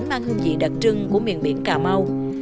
mang hương vị đặc trưng của miền biển cà mau